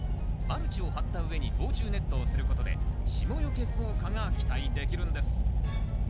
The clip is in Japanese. マルチを張った上に防虫ネットをすることで霜よけ効果が期待できるんです。